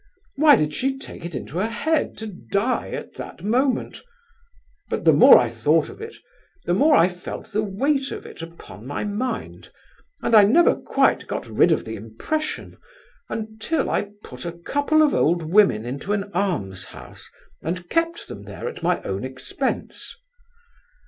Why did she take it into her head to die at that moment? But the more I thought of it, the more I felt the weight of it upon my mind; and I never got quite rid of the impression until I put a couple of old women into an almshouse and kept them there at my own expense.